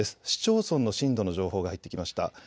市町村の震度の情報が入ってきました。